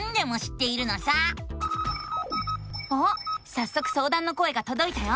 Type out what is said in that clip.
さっそくそうだんの声がとどいたよ。